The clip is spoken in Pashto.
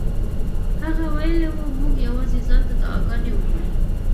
هغه ویلي وو موږ یوازې ځان ته دعاګانې وکړو.